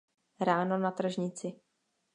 Ráno na tržnici.